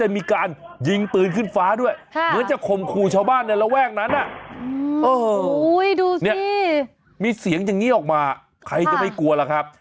มีเสียงอย่างนี้ออกมาใครจะไม่กลัวล่ะครับ